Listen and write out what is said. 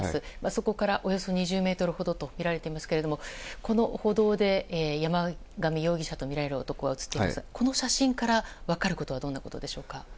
そこからおよそ２０ｍほどとみられていますがこの歩道で、山上容疑者とみられる男が写っていますがこの写真から分かることは？